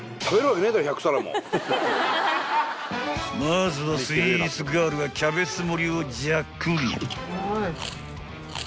［まずはスイーツガールがキャベツ盛をジャックリ］